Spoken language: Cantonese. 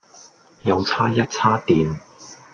又差一差電